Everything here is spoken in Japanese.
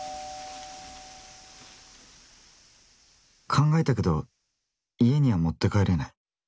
考えたけど家には持って帰れない。